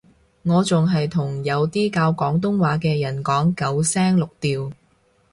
我仲係同有啲教廣東話嘅人講九聲六調